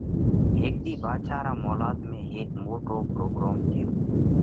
هيڪ ۮِي ڀاڌشا را مولات ۾ هيڪ موٽو پروڳروم ٿيو۔